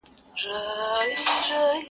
پښتنې سترګي دي و لیدې نرګسه,